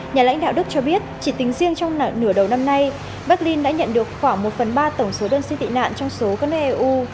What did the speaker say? nhà lãnh đạo đức cho biết chỉ tính riêng trong nửa đầu năm nay berlin đã nhận được khoảng một phần ba tổng số đơn xin tị nạn trong số các nước eu